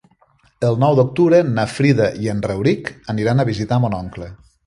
El nou d'octubre na Frida i en Rauric aniran a visitar mon oncle.